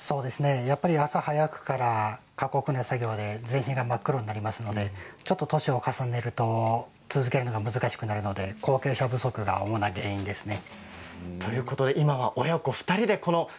朝早くから過酷な作業で全身が真っ黒になりますのでちょっと年を重ねると続けるのが難しくなるので後継者不足が主な原因ですね。